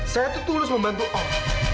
saya tuh tulus membantu om